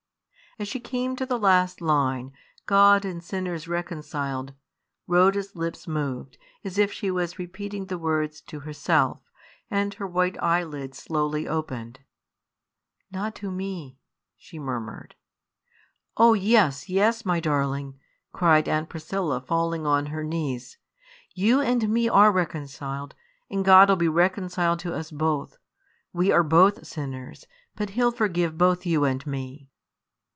As she came to the last line, "God and sinners reconciled," Rhoda's lips moved, as if she was repeating the words to herself, and her white eyelids slowly opened. "Not to me!" she murmured. "Oh! yes, yes, my darling!" cried Aunt Priscilla, falling on her knees "you and me are reconciled, and God 'ill be reconciled to us both. We are both sinners; but He'll forgive both you and me."